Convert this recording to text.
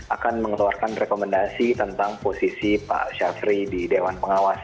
akan mengeluarkan rekomendasi tentang posisi pak syafri di dewan pengawas